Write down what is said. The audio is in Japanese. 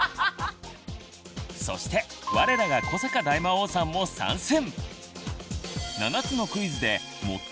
そして我らが古坂大魔王さんも参戦！